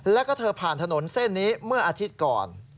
แล้วก็เธอผ่านถนนเส้นนี้เมื่ออาทิตย์ก่อน